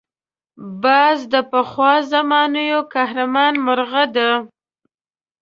باز د پخوا زمانو قهرمان مرغه دی